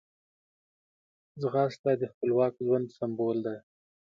ځغاسته د خپلواک ژوند سمبول دی